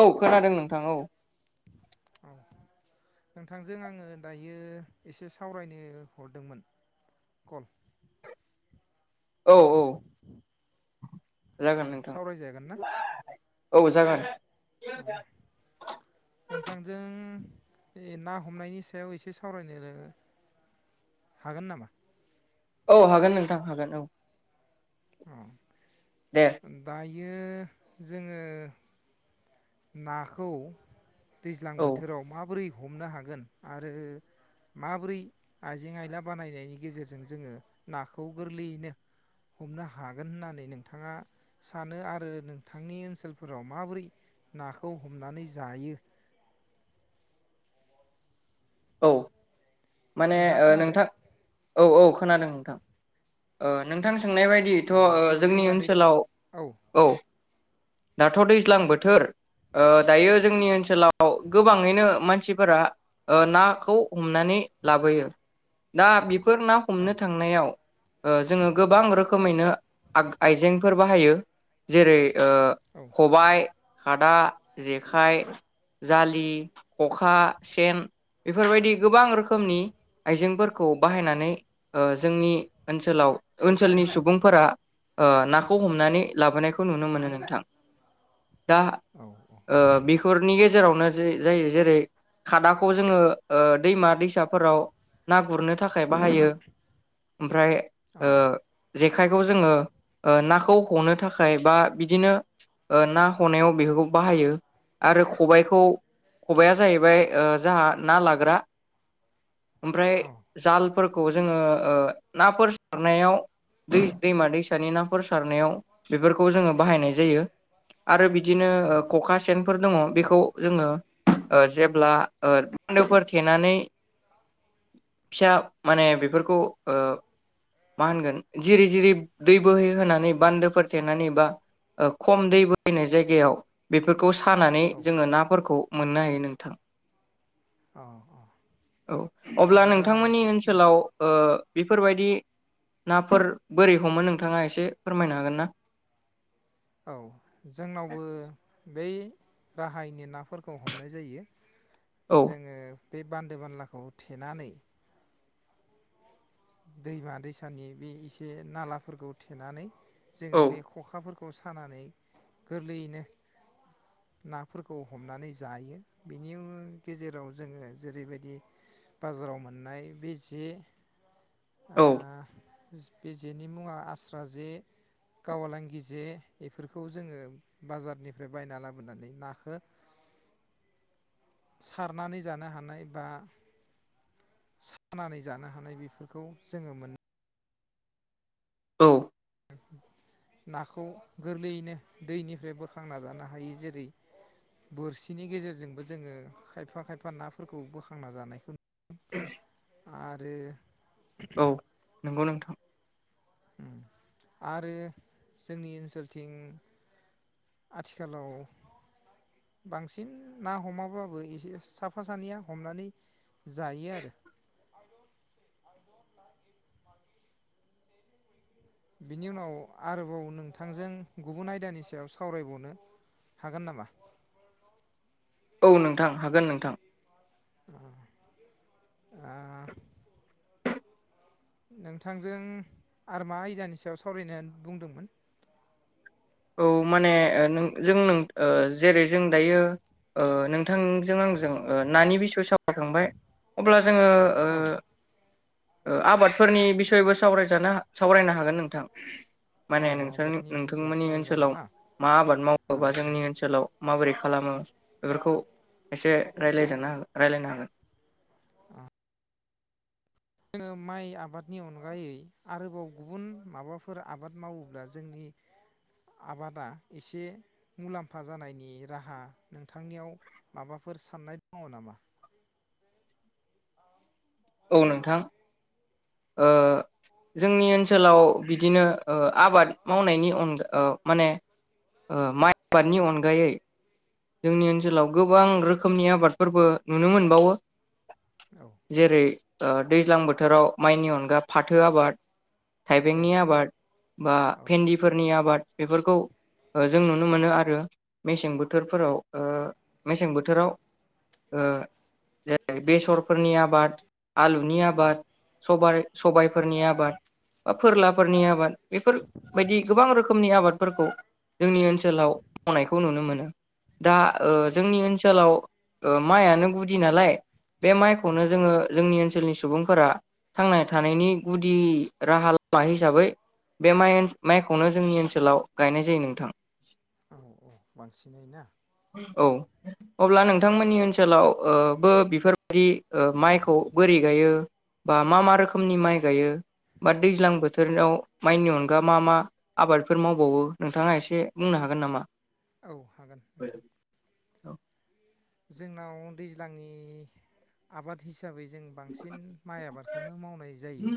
औ खोनादों नोंथां औ औ नोंथांजों आङो दायो एसे सावरायनो हरदोंमोन कल औ औ। अ जागोन नोंथां। सावरायजागोन ना औ जागोन। [unintelligible] नोंथांजों ए ना हमनायनि सायाव एसे सावरायनो हागोन नामा? औ हागोन नोंथां हागोन औ। औ। दे दाय बियो जोङो नाखौ दैज्लां औ बोथोराव माबोरै हमनो हागोन आरो माबोरै आइजें आयला बानायनायनि गेजेरजों जोङो नाखौ गोरलैयैनो हमनो हागोन होननानै नोंथाङा सानो आरो नोंथांनि ओनसोलफोराव माबोरै नाखौ हमनानै जायो औ। माने नोंथाङा ओ खोनादो नोंथां औ औ। खोनादों नोंथां ओ नोंथांज सोंनाय बायदियैथ' ओ बे जोंनि दैमा दैसा ओनसोलाव औ। दाथ' दैज्लां बोथोर ओ दायो जोंनि ओनसोलाव गोबाङैनो मानसिफोरा ओ नाखौ हमनानै लाबोयो दा बेफोर ना औ हमनो थांनायाव ओ जोङो गोबां रोखोमैनो आग आइजेंफोर बाहायो जेरै ओ औ खबाय खादा जेखाइ जालि ख'खा सेन बेफोरबायदि गोबां रोखोमनि आइजेंफोरखौ बाहायनानै ओ जोंनि ओनसोलाव ओनसोलनि सुबुंफोरा ओ नाखौ हमनानै लाबोनायखौ नुनो मोनो नोंथां दा औ ओ बेहोरनि गेजे जेरावनो जे जा-जायो जेरै खादाखौ जोङो ओ दैमा दैसाफोराव ना गुरनो थाखाय बाहायो ओमफ्राय ओ जेखाय बेखौ जोङो ओ नाखौ हनो थाखाय बा बिदिनो ओ ना हनायाव बेफोरखौ बाहायो आरो खबाइखौ खबाइआ जाहैबाय ओ ना लाग्रा ओमफ्राय जाल फोरखौ जोङो‌ ओ नाफोर सारनायाव दै-दैमा दैसानि नाफोर सारनायाव बेफोरखौ जोङो बाहायनाय जायो आरो बिदिनो ओ ख'खा सेनफोर दङ बेखौ जोङो ओ जेब्ला बान्दोफोर थेनानै फिसा माने बेफोरखौ ओ मा होनगोन जिरि जिरि दै बोहैहोनानै बान्दोफोर थेनानै बा खम दै बोहैनाय जायगायाव बेफो सानानै औ जोङो नाफोरखौ मोननो हायो नोंथां औ औ अब्ला बिदिबा नोंथांमोननि ओनसोलाव ओ बेफोरबायदि नाफोर बोरै हमो नोंथाङा एसे फोरमायनो हागोन ना? औ जोंनावबो बै राहायैनो नाफोरखौ हमनाय जायो औ जोंङो बे बान्दो बानलाखौ थेनानै दैमा दैसानि बे एसे नालाफोरखौ थेनानै औ जोंङो बे ख'खाफोरखौ खौ सानानै गोरलैयैनो नाफोरखौ हमनानै जायो बेनि गेजेराव जोङो जेरैबायदि बाजाराव मोननाय बे जे औ इस बे जेनि मुङा आस्रा जे गावालांगि जे बेफोरखौ जोङो बाजारनिफ्राय बायना लाबोनानै नाखो सारनानै जानो हानाय बा सानानै जानो हानाय बेफोरखौ जोङो मोनो औ नाखौ गोरलैयैनो दैनिफ्राय बोखांना जानो हायो जेरै बोरसिनि गेजेरजोंबो जोंङो खायफा खायफा नाफोरखौ बोखांना जानायखौ नु [inaudible] आरो औ नंगौ नोंथां उमआरो जोंनि ओनसोलथिं आथिखालाव बांसिन ना हमाबाबो एसे साफा सानैया हमनानै जायो आरो बिनि उनाव आरोबाव नोंथांजों गुबुन आयदानि सायाव सावरायबावनो हागोन नामा? औ नोंथां हागोन नोंथां आं आ नोंथांजों आरमा आयदानि सायाव सावरायनो बुंदोंमोन। औ माने ओ नों जों नों ओ जेरै जों दायो ओ नोंथांजों आंजों ओ नानि बिसय सावरायखांबाय अब्ला जोङो ओ औ ओ आबादफोरनि बिसयबो सावरायजानो सावरायनो हागोन नोंथां। औ माने नोंसोरनि आबादनि बिसय नोंथांमोननि ओन सावरायजागोन ओनसोलाव ना मा आबाद मावो औ बा औ जोंनि ओनसोलाव माबोरै खालामो बेफोरखौ एसे रायलायजेननो हागोन रायलायनो हागोन। जोङो माइ आबादनि अनगायै आरोबाव गुबुन माबाफोर आबाद मावोब्ला जोंनि आबादा एसे मुलाम्फा जानायनि राहा नोंथांनियाव माबाफोर साननाय दङ नामा? औ नोंथां ओ जोंनि ओनसोलाव बिदिनो ओ आबाद मावनायनि अनगा ओ माने ओ माइ आबादनि अनगायै जोंनि ओनसोलाव गोबां रोखोमनि आबादफोरबो नुनो मोनबावो। औ जेरै ओ दैज्लां बोथोराव माइनि अनगा फाथो आबाद औ थाइबेंनि आबाद बा औ भेन्दिफोरनि आबाद बेफोरखौ ओ जों नुनो मोनो आरो मेसें बोथोरफोराव ओ मेसें बोथोराव ओ जेरै बेसरफोरनि आबाद आलुनि आबाद बाय सबायफोरनि आबाद बा फोरलाफोरनि आबाद बेफोरबायदि गोबां रोखोमनि आबादफोरखौ जोंनि ओनसोलाव मावनायखौ नुनो मोनो। दा ओ जोंनि ओनसोलाव ओ माइआनो गुदि नालाय बे औ माइखौनो जोङो जोंनि ओनसो सोलनि सुबुंफोरा थांना थानायनि गुदि राहा लामा हिसाबै बे माइ-माइखौनो जोंनि ओनसोलाव गायनाय जायो नोंथां। औ औ बांसिनै ना औ अब्ला नोंथांमोननि ओनसोलाव ओ बो बेफोरबायदि ओ माइखौ बोरै गायो बा मा मा रोखोमनि माइ गायो बा दैज्लां बोथोराव माइनि अनगा मा मा आबादफोर मावबावो नोंथाङा एसे बुंनो हागोन नामा? औ हागोन नोंथां जोंनाव दैज्लांनि आबाद हिसाबै जों बांसिन माइ आबादखौनो मावनाय जायो।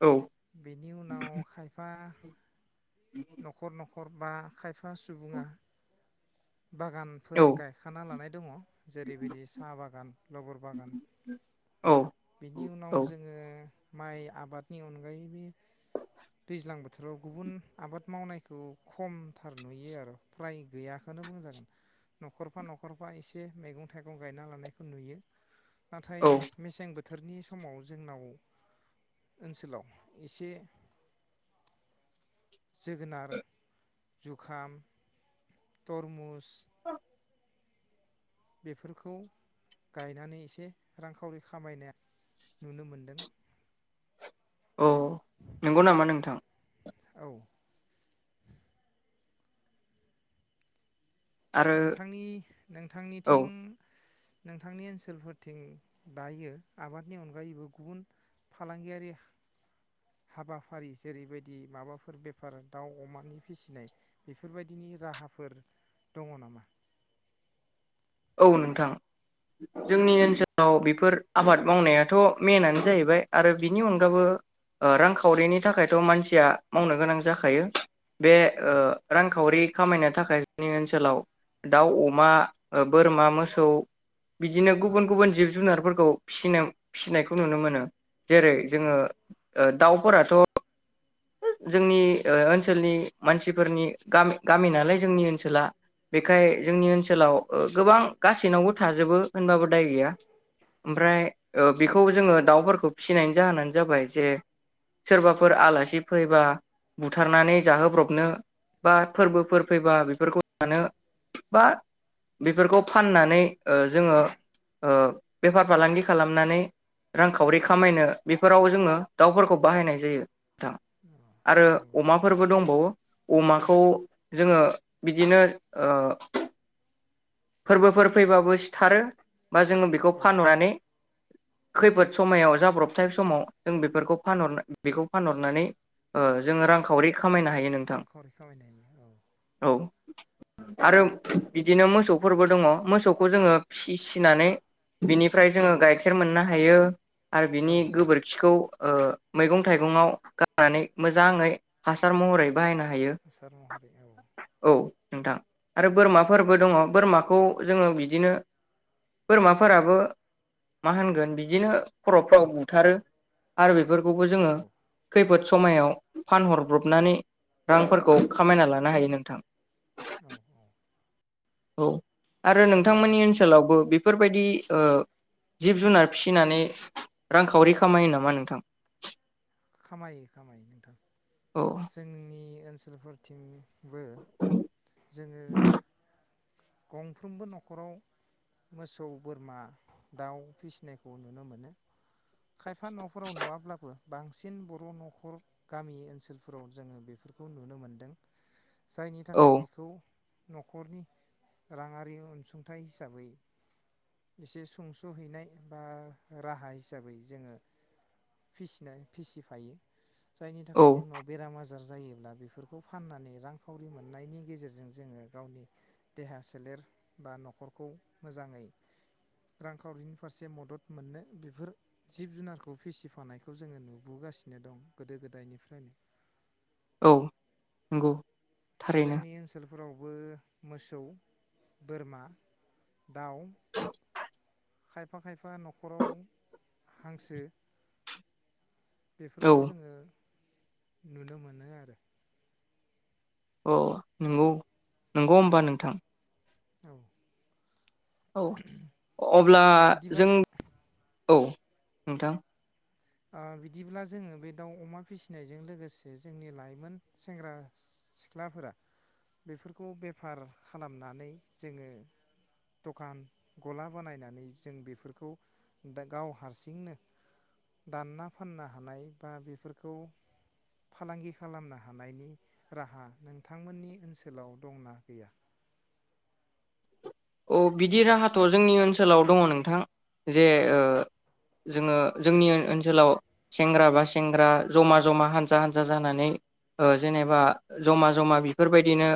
औ बेनि उनाव खायफा न'खर न'खर बा खायफ फा सुबुङा बागानफोर औ गायखाना लानाय दङ। जेरैबायदि साहा बागान लबर बागान बिनि उनाव औ जोङो माइ आबादनि अनगायैबो दैज्लां बो थोराव गुबुन आबाद मावनायखौ खमथार नुयो आरो फ्राय गैयाखोनो बुंजागोन। न'खरफा न'खरफा एसे मैगं थाइगं गायना लानायखौ नुयो। नाथाय औ मेसें बो थोरनि समाव जोंनाव ओनसोलाव एसे जोगोनार जुखाम थरमुस बेफोरखौ गायनानै एसे रांखावरि खामायनो नुनो मोन्दों। औ नंगौ नामा नोंथां? औ आरो नोंथांनि औ नोंथांनिथिं नोंथांनि ओनसोलफोरथिं दायो आबादनि अनगायैबो गुबुन फालांगियारि हाबाफारि जेरैबायदि माबाफोर बेफार दाव अमानि फिसिनाय बेफोरबायदिनि राहाफोर दङ नामा? औ नोंथां जोंनि ओनसोलाव बेफोर आबाद मावनायाथ' मेनानो जाहैबाय आरो बिनि अनगाबो ओ रांखावरिनि थाखायथ' मानसिया मावनो गोनां जाखायो। बे औ ओ रांखावरि खामायनो थाखाय जोंनि ओनसोलाव दाउ अमा ओ बोरमा मोसौ बिदिनो गुबुन गुबुन जिब जुनारफोरखौ फिनो फिसिनायखौ नुनो मोनो जेरै जोङो ओ दाउफोराथ' जोंनि ओ ओनसोलनि मानसिफोरनि गा-गामि नालाय जोंनि ओनसोला बेखाय जोंनि ओनसोलाव गोबां गासैनावबो थाजोबो होनबाबो दाय गैया। औ ओमफ्राय‌ ओ बेखौ जोङो दाउफोरखौ फिसिनायनि जाहोनानो जाबाय जे सोरबाफोर आलासि फैबा बुथारनानै जाहोब्रबनो बा फोरबोफोर फैबा बेफोरखौ जानो बा बेफोरखौ फाननानै ओ जोङो ओ बेफार फालांगि खालामनानै रांखावरि खामायनो बेफोराव जोङो दाउफोरखौ बाहायनाय जायो नोंथां। आरो नंगौ अमाफोरबो दंबावो। अमाखौ जोङो बिदिनो ओ फोरबोफोर फैबाबो सिथारो बा जोङो बेखौ औ फानहरनानै खैफोद समायाव जाब्रबथाय समाव जों बेफोरखौ फानहर बेखौ फानहरनानै ओ जोङो रांखावरि खामायनो हायो नोंथां रांखावरि खामायनायनि औ औ आरो बिदिनो मोसौफोरबो दङ मोसौखौ जोङो फिसिनानै बिनिफ्राय जोङो गाइखेर मोननो हायो। आरो औ बिनि औ गोबोरखिखौ ओ मैगं थाइगंआव गार नानै मोजाङै हासार महरै बाहायनो हायो हासार महरै औ औ नोंथां। आरो बोरमाफोरबो दङ बोरमाखौ जोङो बिदिनो बोरमाफोराबो मा होनगोन बिदिनो खरमफ्राव बुथारो आरो बे फोरखौबो औ जोङो समायाव फानहरब्रबनानै रांफोरखौ खामायना लानो हायो नोंथां। औ औ औ। आरो अब्ला नोंथांमोननि ओनसोलावबो बेफोरबायदि ओ जिब जुनार फिसिनानै रांखावरि खामायो नामा नोंथां? खामायो खामायो नोंथां। औ जोंनि ओनसो लफोर थिंनि बो जोङो गंफ्रोमबो नखराव मोसौ बोरमा दाउ फिसिनायखौ नुनो मोनो। खायफा नफोराव नुवाब्लाबो। बांसि सिन बर नखर गामि ओनसोलफोराव जोङो बेफोरखौ नुनो मोनदों। जायनि औ थाखाय बिखौ। नखरनि राङारि अनसुंथाइ हिसाबै एसे सुंसहैनाय बा राहा हिसाबै जोङो फिसिनाय। फिसिफायो। जायनि थाखाय औ जोंनाव बेराम आजार। जायोब्ला बेफोरखौ फाननानै रांखावरि मोननायनि गेजेरजों जोङो गावनि देहा सोलेर बा नखरखौ मोजाङै रांखावरिनि फारसे मदद मोननो बेफोर जिब जुनारखौ फिसिफानायखौ जोङो नु बोगासिनो दं गोदो गोदायनिफ्रायनो। औ नंगौ। थारैनो जोंनि ओनसोल। फोरावबो मोसौ बोरमा। दाउ। खायफा खायफा नखराव हांसो। बेफोरखौ औ जोङो। नुनो मोनो आरो‌। अ नंगौ नंगौ होमबा नोंथां। औ। औ अब्ला बिदिबा जों। औ नोंथां। ओ बिदिब्ला जोङो बे दाउ अमा फिसिनायजों लोगोसे जोंनि लाइमोन सेंग्रा सिख्लाफोरा बेफोरखौ बेफार खालामनानै जोङो दखान गला बानायनानै जों बेफोरखौ दा गाव हारसिंनो। दानना फाननो हानाय बा बेफोरखौ फालांगि खालामनो हानायनि राहा नोंथांमोननि ओनसोलाव दंना गैया। औ बिदि राहाथ जोंनि ओनसोलाव दङ नोंथां जे ओ जोङो जोंनि ओनसोलाव सेंग्रा बा सेंग्रा जमा जमा हानजा हानजा जानानै ओ जेनेबा जमा जमा बेफोरबायदिनो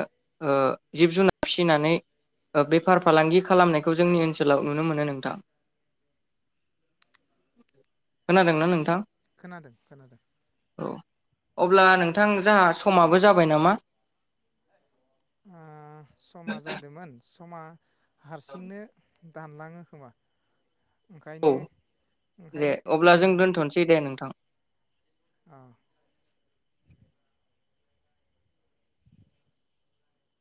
ओ जिब जुनार फिसिनानै ओ बे फार फालांगि खालामनायखौ जोंनि ओनसोलाव नुनो मोनो नोंथां खोनादोंना नोंथां। खोनादों खोनादों। औ अब्ला ओ नोंथां जाहा समाबो‌। जाबाय नामा। ओ समा जादोमोन। समा। हारसिंनो। दानलाङो खोमा। औ ओंखायनो दे ओंखायनो जि अब्ला जों दोनथसै दे नोंथां। औ।